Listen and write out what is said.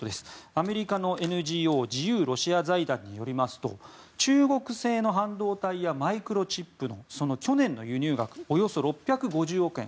アメリカのＮＧＯ自由ロシア財団によりますと中国製の半導体やマイクロチップの去年の輸入額はおよそ６５０億円。